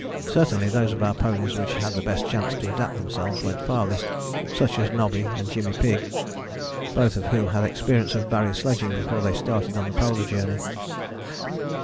Certainly those of our ponies which had the best chance to adapt themselves went farthest, such as Nobby and Jimmy Pigg, both of whom had experience of Barrier sledging before they started on the Polar Journey.